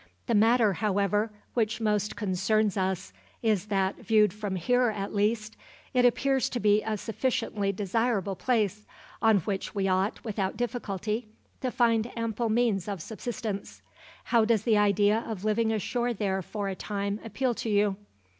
The matter, however, which most concerns us is that, viewed from here at least, it appears to be a sufficiently desirable place, on which we ought, without difficulty, to find ample means of subsistence. How does the idea of living ashore there for a time appeal to you?"